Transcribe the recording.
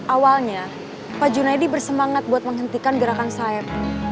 awalnya pak junaidi bersemangat buat menghentikan gerakan sayap